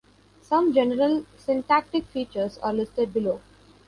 Some general syntactic features are listed below.